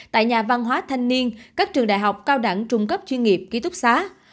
tại nhà văn hóa thanh niên các trường đại học cao đẳng trung cấp chuyên nghiệp ký túc xá